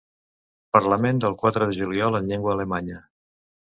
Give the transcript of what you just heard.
Parlament del quatre de juliol en llengua alemanya.